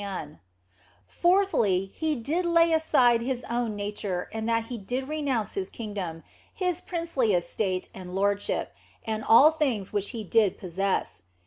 OF FOLIGNO 61 Fourthly, He did lay aside His own nature in that He did renounce His kingdom, His princely estate and lord ship, and all things which He did possess.